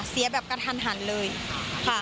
เสียแบบกระทันเลยค่ะ